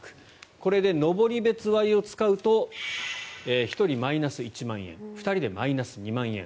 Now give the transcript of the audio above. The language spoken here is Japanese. これでのぼりべつ割を使うと１人マイナス１万円２人でマイナス２万円。